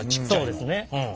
そうですね。